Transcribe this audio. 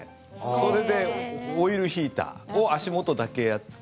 それで、オイルヒーターを足元だけやって。